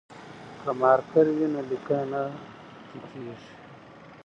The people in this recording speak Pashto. که مارکر وي نو لیکنه نه تتېږي.